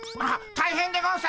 大変でゴンス！